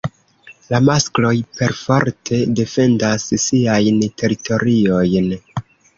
La maskloj perforte defendas siajn teritoriojn.